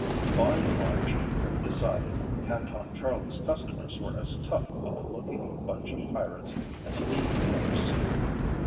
By and large, Rick decided, Canton Charlie's customers were as tough a looking bunch of pirates as he had ever seen.